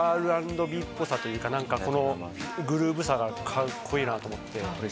Ｒ＆Ｂっぽさっていうか、グルーヴさがカッコいいなと思って。